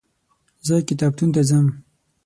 زه کتابتون ته ځم.